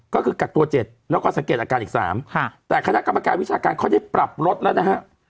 ก็คือกักตัว๗แล้วก็สังเกตอาการอีก๓แต่คณะกรรมการวิชาการเขาได้ปรับลดแล้วนะฮะ